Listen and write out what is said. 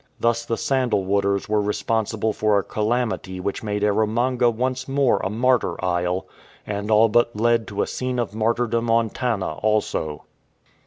Thus the sandalwooders were responsible for a calamity which made Erromanga once more a martyr isle, and all but led to a scene of martyrdom on Tanna also.